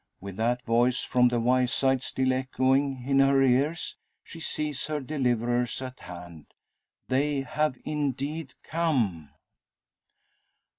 With that voice from the Wyeside still echoing in her ears, she sees her deliverers at hand! They have indeed come.